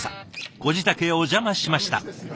ご自宅へお邪魔しました。